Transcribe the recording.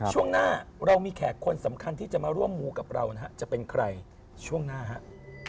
ช่วงหน้าเรามีแขกคนสำคัญที่จะมาร่วมมูกับเรานะฮะจะเป็นใครช่วงหน้าครับ